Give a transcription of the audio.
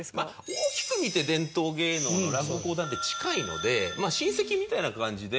大きく見て伝統芸能の落語講談って近いので親戚みたいな感じで。